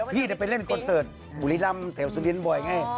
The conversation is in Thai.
พี่ไปเล่นคอนเสิร์ตบุรีรำแถวสุบินบ่อยไง